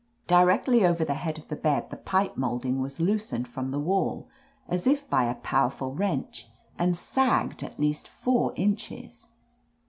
Directly over the head of the bed, the pipe molding was loosened from the wall, as if by a powerful wrench, and sagged at least four inches.